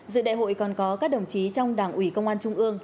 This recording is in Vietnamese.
dự đại hội còn có các đồng chí trong đảng ủy công an trung ương